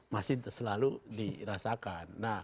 masih selalu dirasakan